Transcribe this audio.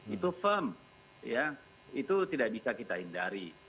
itu firm ya itu tidak bisa kita hindari